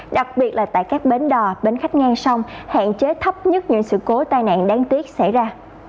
đặc biệt là tại các bến đò bến khách ngang sông hạn chế thấp nhất những sự cố tai nạn đáng tiếc xảy ra